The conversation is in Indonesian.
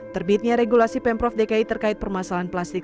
terbitnya regulasi pemprov dki terkait permasalahan plastik